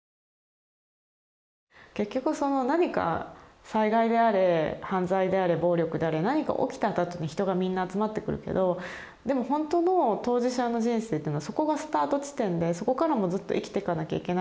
結局その何か災害であれ犯罪であれ暴力であれ何か起きたあとに人がみんな集まってくるけどでもほんとの当事者の人生というのはそこがスタート地点でそこからもずっと生きていかなきゃいけないんだけど。